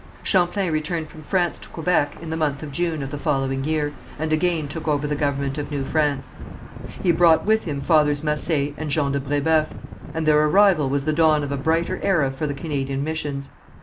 Champlain returned from France to Quebec in the month of June of the following year, and again took over the government of New France. He brought with him Fathers Massé and Jean de Brébeuf, and their arrival was the dawn of a brighter era for the Canadian missions.